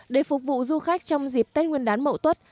để phục vụ du khách trong dịp tết nguyên đán mậu tuất